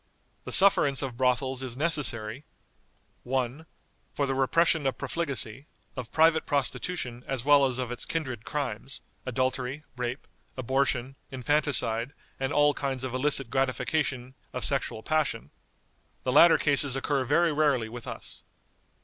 "The sufferance of brothels is necessary, "1. For the repression of profligacy, of private prostitution as well as of its kindred crimes, adultery, rape, abortion, infanticide, and all kinds of illicit gratification of sexual passion. The latter cases occur very rarely with us.